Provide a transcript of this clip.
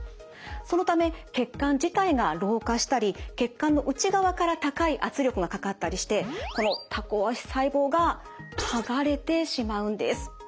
そのため血管自体が老化したり血管の内側から高い圧力がかかったりしてこのタコ足細胞が剥がれてしまうんです。